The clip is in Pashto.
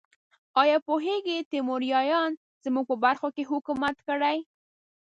ایا پوهیږئ تیموریانو زموږ په برخو کې حکومت کړی؟